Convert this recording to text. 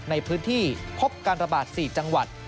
ในพื้นที่พบการระบาด๔จังหวัด